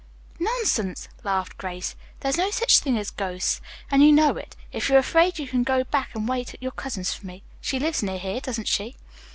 "Nonsense," laughed Grace. "There are no such things as ghosts, and you know it. If you're afraid you can go back and wait at your cousin's for me. She lives near here, doesn't she?"